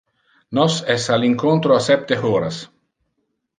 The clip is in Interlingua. Nos es al incontro a septe horas.